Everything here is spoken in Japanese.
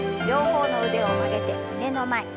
両方の腕を曲げて胸の前。